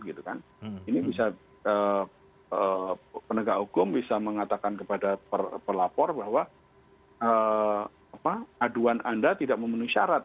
ini bisa penegak hukum bisa mengatakan kepada pelapor bahwa aduan anda tidak memenuhi syarat